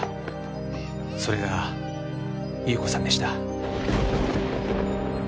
それが優子さんでした。